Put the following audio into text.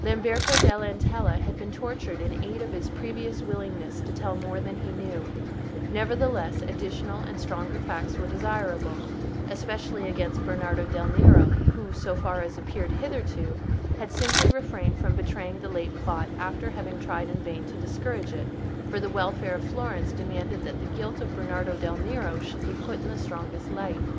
Lamberto dell' Antella had been tortured in aid of his previous willingness to tell more than he knew; nevertheless, additional and stronger facts were desirable, especially against Bernardo del Nero, who, so far as appeared hitherto, had simply refrained from betraying the late plot after having tried in vain to discourage it; for the welfare of Florence demanded that the guilt of Bernardo del Nero should be put in the strongest light.